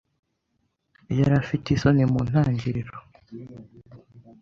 Yari afite isoni mu ntangiriro.